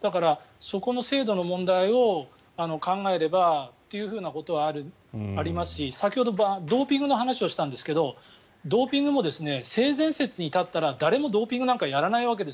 だからそこの精度の問題を考えればということはありますし先ほどドーピングの話をしたんですがドーピングも性善説に立ったら誰もドーピングはやらないんです。